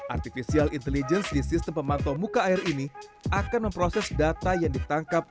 artificial intelligence di sistem pemantau muka air ini akan memproses data yang ditangkap